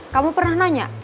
kamu pernah nanya